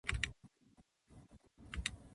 親のありがたみって、大人になってから気づくものなのかな。